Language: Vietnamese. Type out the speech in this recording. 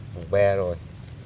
bụng bé rồi